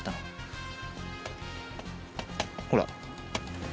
ほら。